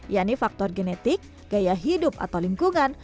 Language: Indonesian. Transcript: yaitu faktor genetik gaya hidup atau lingkungan